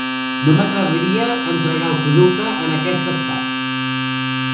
No m'atreviria a entregar el producte en aquest estat.